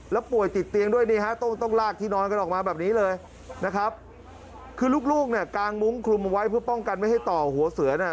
แล้วป่วยติดเตียงด้วยนี่ฮะต้องต้องลากที่นอนกันออกมาแบบนี้เลยนะครับคือลูกลูกเนี่ยกางมุ้งคลุมเอาไว้เพื่อป้องกันไม่ให้ต่อหัวเสือน่ะ